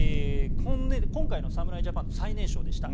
今回の侍ジャパンの最年少でした。